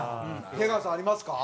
出川さんありますか？